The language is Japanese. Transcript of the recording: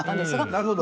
なるほど。